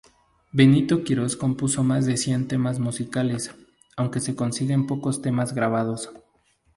Benito Quirós compuso más de cien temas musicales, aunque se consiguen pocos temas grabados.